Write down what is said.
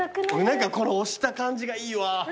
何かこの押した感じがいいわ。